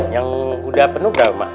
yang udah penuh dah mak